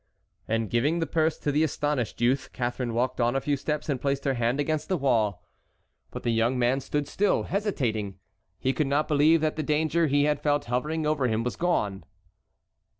And giving the purse to the astonished youth Catharine walked on a few steps and placed her hand against the wall. But the young man stood still, hesitating. He could not believe that the danger he had felt hovering over him was gone.